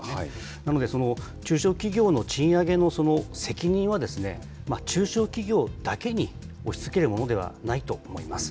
なので、中小企業の賃上げの責任は、中小企業だけに押しつけるものではないと思います。